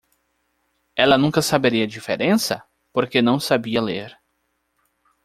Ela nunca saberia a diferença? porque não sabia ler.